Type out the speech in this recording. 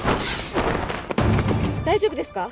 大丈夫ですか？